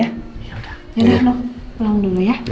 ya udah nok pulang dulu ya